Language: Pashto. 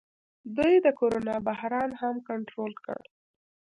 دوی د کرونا بحران هم کنټرول کړ.